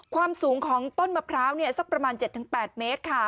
ความสูงของต้นมะพร้าวนี่ซะประมาณเจ็ดทั้งแปดเมตรค่ะ